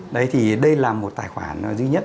đấy thì đây là một tài khoản duy nhất